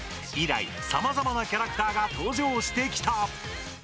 以来、さまざまなキャラクターが登場してきた。